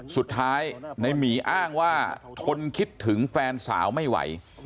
สุดท้ายในหมีอ้างว่าทนคิดถึงแฟนสาวไม่ไหว